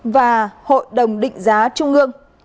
và hội đồng định giá trung ương